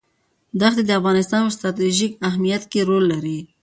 دښتې د افغانستان په ستراتیژیک اهمیت کې رول لري.